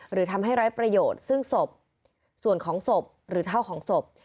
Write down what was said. หรือทำให้ไร้ประโยชน์ซึ่งศพส่วนของศพหรือเท่าของศพ